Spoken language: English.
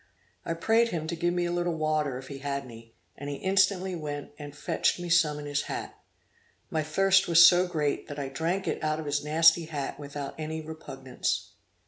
I prayed him to give me a little water if he had any, and he instantly went and fetched me some in his hat. My thirst was so great that I drank it out of his nasty hat without any repugnance.